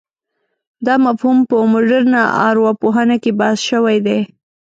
دا مفهوم په مډرنه ارواپوهنه کې بحث شوی دی.